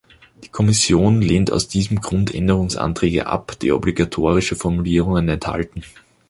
Die Kommission lehnt aus diesem Grund Änderungsanträge ab, die obligatorische Formulierungen enthalten.